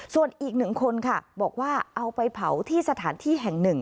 ส่วนอีกหนึ่งคนค่ะบอกว่าเอาไปเผาที่สถานที่แห่งหนึ่ง